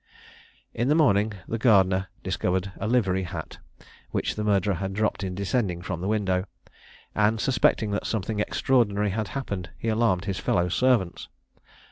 In the morning the gardener discovered a livery hat, which the murderer had dropped in descending from the window; and, suspecting that something extraordinary had happened, he alarmed his fellow servants.